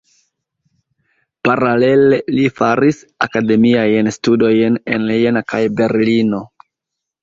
Paralele li faris akademiajn studojn en Jena kaj Berlino.